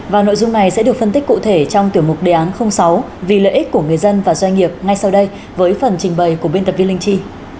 và nội dung này sẽ được phân tích cụ thể trong tiểu mục đề án sáu vì lợi ích của người dân và doanh nghiệp ngay sau đây với phần trình bày của biên tập viên linh chi